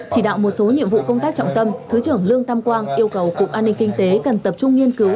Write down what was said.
chỉ đạo một số nhiệm vụ công tác trọng tâm thứ trưởng lương tam quang yêu cầu cục an ninh kinh tế cần tập trung nghiên cứu